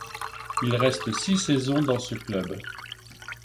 Il reste six saisons dans ce club.